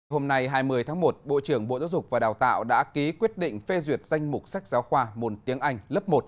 hôm nay hai mươi tháng một bộ trưởng bộ giáo dục và đào tạo đã ký quyết định phê duyệt danh mục sách giáo khoa môn tiếng anh lớp một